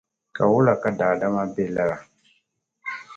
Ka wula ka daadama be lala?